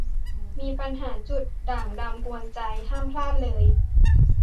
มีปัญหาจุดด่างดำกวนใจ ห้ามพลาดเลย